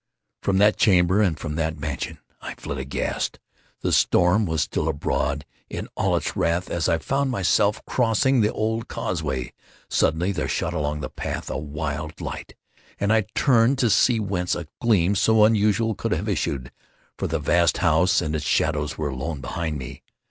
From that chamber, and from that mansion, I fled aghast. The storm was still abroad in all its wrath as I found myself crossing the old causeway. Suddenly there shot along the path a wild light, and I turned to see whence a gleam so unusual could have issued; for the vast house and its shadows were alone behind me.